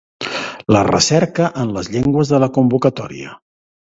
La recerca en les llengües de la convocatòria.